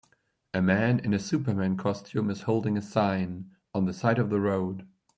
a man in a superman costume is holding a sign, on the side of the road.